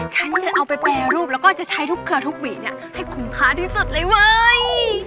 ฉันจะเอาไปแปรรูปแล้วก็จะใช้ทุกเครือทุกหวีเนี่ยให้คุ้มค่าที่สุดเลยเว้ย